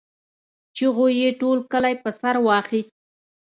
چيغو يې ټول کلی په سر واخيست.